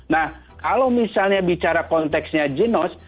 nah kalau misalnya bicara konteksnya jinos